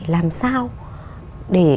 làm sao để